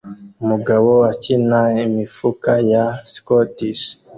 Umugabo akina imifuka ya scottish